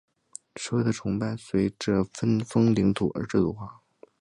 社的崇拜随着分封领土而制度化。